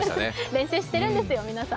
練習してるんですよ、皆さん。